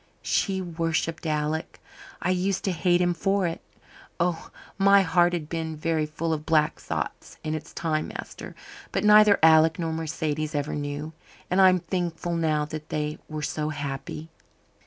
She worshipped Alec. I used to hate him for it. Oh, my heart has been very full of black thoughts in its time, master. But neither Alec nor Mercedes ever knew. And I'm thankful now that they were so happy.